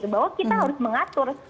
bahwa kita harus mengatur